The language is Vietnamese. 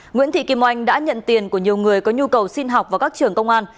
nguyễn thị kim oanh đã nhận tiền của nhiều người có nhu cầu xin học vào các trường công an